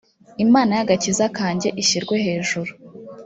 imana y’ agakiza kanjye ishyirwe hejuru